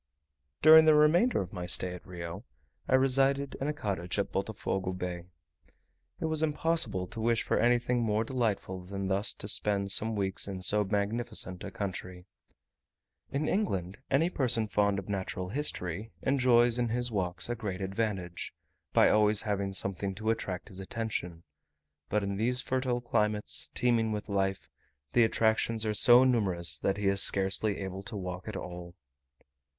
During the remainder of my stay at Rio, I resided in a cottage at Botofogo Bay. It was impossible to wish for anything more delightful than thus to spend some weeks in so magnificent a country. In England any person fond of natural history enjoys in his walks a great advantage, by always having something to attract his attention; but in these fertile climates, teeming with life, the attractions are so numerous, that he is scarcely able to walk at all.